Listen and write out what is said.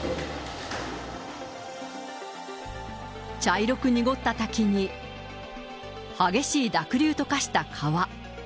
茶色く濁った滝に、激しい濁流と化した川。